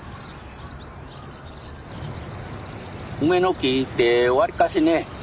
梅の木ってわりかしね